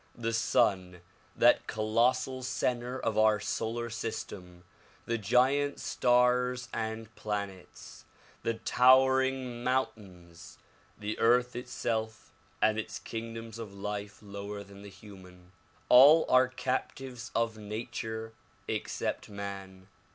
The sun, that colossal center of our solar sys tem, the giant stars and planets, the towering mountains, the earth itself and its kingdoms of life lower than the human, — all are captives of nature except man.